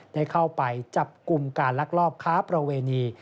ได้เข้าไปจับกลุ่มการลักลอบค้าประเวณี